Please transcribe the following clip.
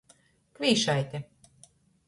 Kvīšaite.